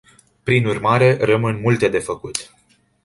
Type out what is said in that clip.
Prin urmare, rămân multe de făcut.